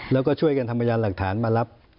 แล้วก็ช่วยกันทำพยานหลักฐานมารับ